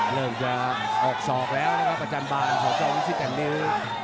เริ่มจะออกสอบแล้วนะครับประจำบ้านของเจ้าวิสิกัณฑ์นิ้ว